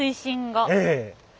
ええ。